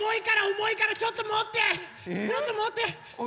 ちょっともって！